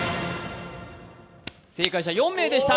正解者４名でした。